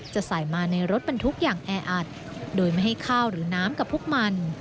จะใส่มาในรถบรรทุกอย่างแออัดโดยไม่ให้ข้าวหรือน้ำกับพวกมัน